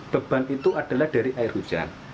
beban itu adalah dari air hujan